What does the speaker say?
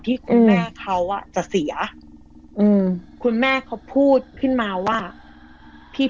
ที่คุณแม่เขาอ่ะจะเสียอืมคุณแม่เขาพูดขึ้นมาว่าพี่